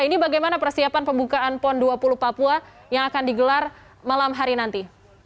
ini bagaimana persiapan pembukaan pon dua puluh papua yang akan digelar malam hari nanti